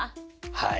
はい。